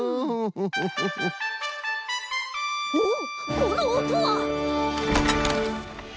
おおこのおとは！